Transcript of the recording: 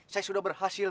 saya sudah berhasil